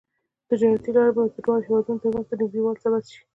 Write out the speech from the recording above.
تجارتي لارې به د دواړو هېوادونو ترمنځ د نږدیوالي سبب شي.